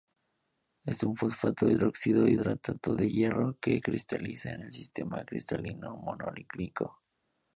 Es un fosfato-hidróxido hidratado de hierro, que cristaliza en el sistema cristalino monoclínico.